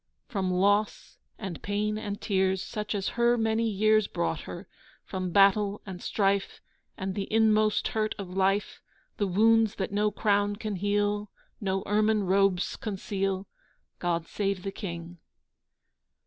From loss and pain and tears Such as her many years Brought her; from battle and strife, And the inmost hurt of life, The wounds that no crown can heal, No ermine robes conceal, God save the King!